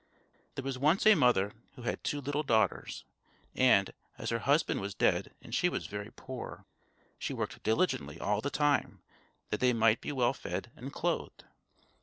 There was once a mother, who had two little daughters; and, as her husband was dead and she was very poor, she worked diligently all the time that they might be well fed and clothed.